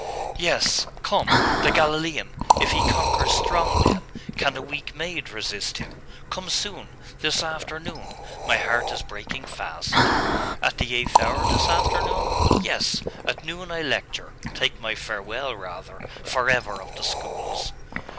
............... 'Yes come.... The Galilaean.... If He conquers strong men, can the weak maid resist Him? Come soon.... This afternoon.... My heart is breaking fast.' 'At the eighth hour this afternoon?' 'Yes.... At noon I lecture.... take my farewell, rather, for ever of the schools....